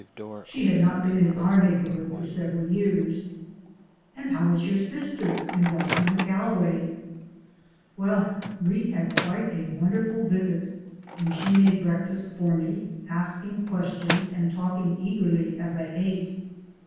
She had not been in our neighborhood for several years. "And how is your sister and Doctor McAlway?" Well, we had quite a wonderful visit, she made breakfast for me, asking and talking eagerly as I ate.